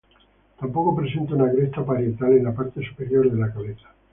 Tampoco presenta una cresta parietal en la parte superior de la cabeza.